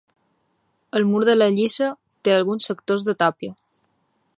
El mur de la lliça té alguns sectors de tàpia.